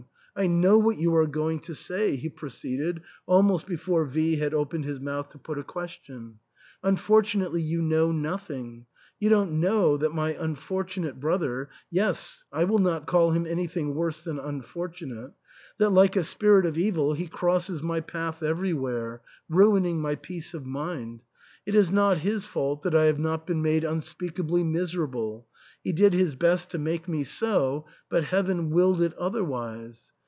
I know what you are going to say," he proceeded almost before V had opened his mouth to put a question. " Un fortunately you know nothing. You don't know that my unfortunate brother — yes, I will not call him any thing worse than unfortunate — ^that, like a spirit of evil, he crosses my path everywhere, ruining my peace of mind. It is not his fault that I have not been made unspeakably miserable ; he did his best, to make me so, but Heaven willed it otherwise.